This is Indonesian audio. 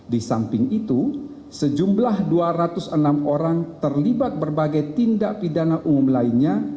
di samping itu sejumlah dua ratus enam orang terlibat berbagai tindak pidana umum lainnya